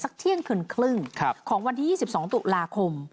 เที่ยงคืนครึ่งของวันที่๒๒ตุลาคม